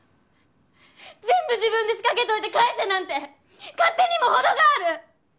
全部自分で仕掛けておいて返せなんて勝手にもほどがある！